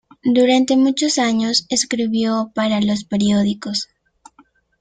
Durante muchos años escribió para los periódicos.